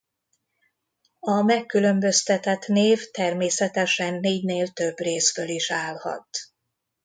A megkülönböztetett név természetesen négynél több részből is állhat.